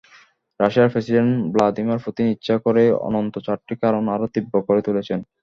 রাশিয়ার president Vladimir Putin ইচ্ছা করেই অন্তত চারটি কারণ আরও তীব্র করে তুলেছেন।